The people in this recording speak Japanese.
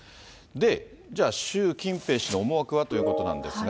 で、じゃあ習近平氏の思惑はということなんですが。